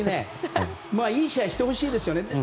いい試合をしてほしいですよね。